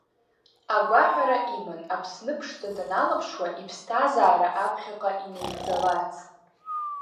Агәаҳәара иман Аԥсны ԥшӡа даналаԥшуа иԥсҭазаара аԥхьаҟа инаигӡаларц.